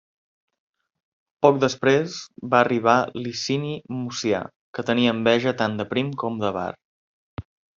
Poc després va arribar Licini Mucià, que tenia enveja tant de Prim com de Var.